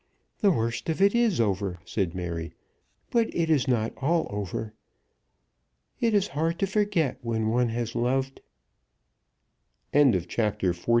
"The worst of it is over," said Mary; "but it is not all over. It is hard to forget when one has loved." CHAPTER XLII.